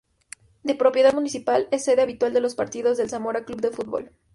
De propiedad municipal, es sede habitual de los partidos del Zamora Club de Fútbol.